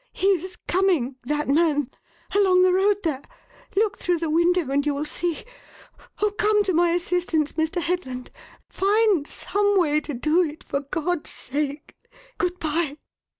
"He is coming that man: along the road there! look through the window and you will see. Oh, come to my assistance, Mr. Headland! Find some way to do it, for God's sake! Good bye!"